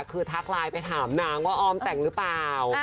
คือทักไลน์ไปถามนางว่าออมแต่งหรือเปล่า